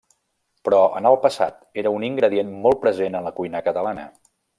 Però en el passat era un ingredient molt present en la cuina catalana.